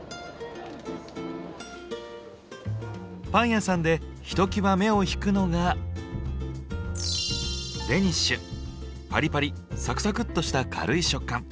パン屋さんでひときわ目を引くのがパリパリサクサクッとした軽い食感。